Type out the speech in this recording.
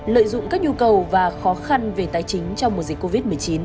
lợi dụng các nhu cầu và khó khăn về tài chính trong mùa dịch covid một mươi chín